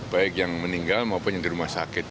baik yang meninggal maupun yang di rumah sakit